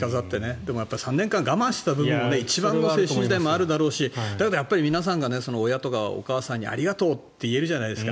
でも３年間我慢していたのも一番の青春時代もあっただろうしだけど皆さんが親とかお母さんにありがとうって言えるじゃないですか。